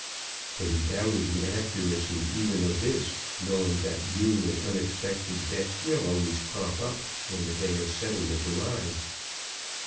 But he doubted the accuracy even of this, knowing that new and unexpected debts will always crop up when the day of settlement arrives.